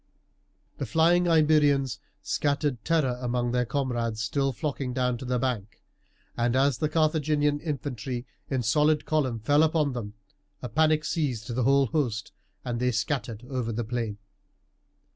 The flying Iberians scattered terror among their comrades still flocking down to the bank, and as the Carthaginian infantry in solid column fell upon them, a panic seized the whole host and they scattered over the plain.